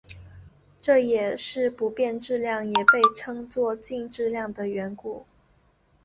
这也是不变质量也被称作静质量的缘故。